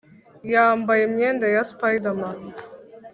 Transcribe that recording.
yambaye imyambaro ya spiderman